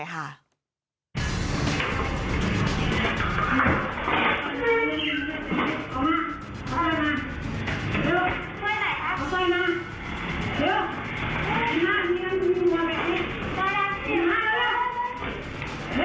เอามาช่วยหน่อยช่วยหน่อย